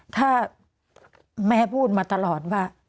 ถ้าแม่พูดมาตลอดว่า